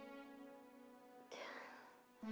saya juga harus menganggur sambil berusaha mencari pekerjaan